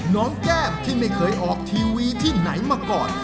แก้มที่ไม่เคยออกทีวีที่ไหนมาก่อน